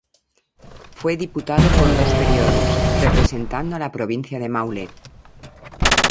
Fue diputado por dos períodos representando a la Provincia de Maule.